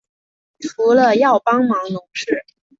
除了要帮忙农事